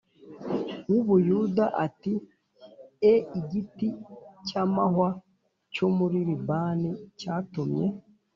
w u Buyuda ati e igiti cy amahwa cyo muri Libani cyatumye